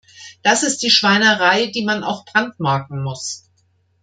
Das ist die Schweinerei, die man auch brandmarken muss!